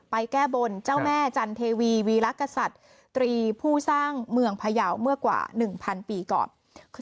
แก้บนเจ้าแม่จันเทวีวีรกษัตริย์ตรีผู้สร้างเมืองพยาวเมื่อกว่า๑๐๐ปีก่อน